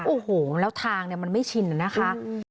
โอ้โหแล้วทางเนี่ยมันไม่ชินนะคะ